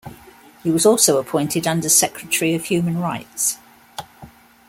He was also appointed Undersecretary of Human Rights.